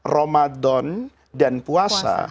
ramadan dan puasa